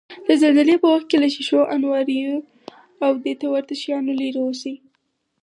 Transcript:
د زلزلې په وخت کې له شیشو، انواریو، او دېته ورته شیانو لرې اوسئ.